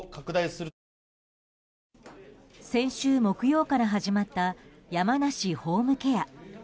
先週木曜から始まった山梨ホームケア。